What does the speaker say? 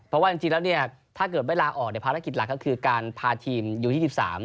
เพราะว่าจริงแล้วเนี่ยถ้าเกิดไม่ลาออกเนี่ยภารกิจหลักก็คือการพาทีมยู๒๓